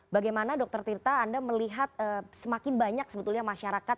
bagaimana dr tirta anda melihat semakin banyak sebetulnya masyarakat